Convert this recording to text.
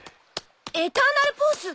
エターナルポース。